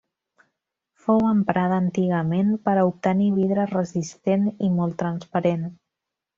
Fou emprada antigament per a obtenir vidre resistent i molt transparent.